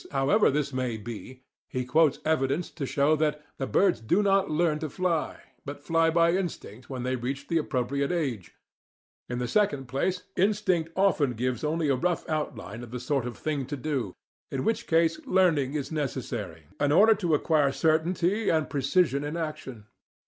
However this may be, he quotes evidence to show that "birds do not LEARN to fly," but fly by instinct when they reach the appropriate age (ib., p. 406). In the second place, instinct often gives only a rough outline of the sort of thing to do, in which case learning is necessary in order to acquire certainty and precision in action.